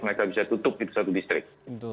mereka bisa tutup gitu satu distrik